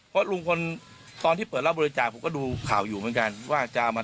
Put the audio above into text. เพราะลุงพลตอนที่เปิดรับบริจาคผมก็ดูข่าวอยู่เหมือนกันว่าจะเอามา